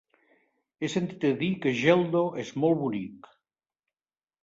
He sentit a dir que Geldo és molt bonic.